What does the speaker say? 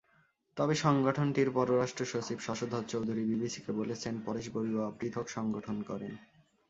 তবে সংগঠনটির পররাষ্ট্রসচিব শশধর চৌধুরী বিবিসিকে বলেছেন, পরেশ বড়ুয়া পৃথক সংগঠন করেন।